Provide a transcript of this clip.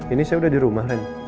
ini saya udah di rumah lagi